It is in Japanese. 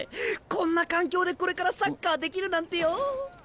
こんな環境でこれからサッカーできるなんてよう！